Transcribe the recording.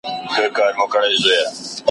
سياستپوهنه د سوله ييز مشرتوب ارزښت بيانوي.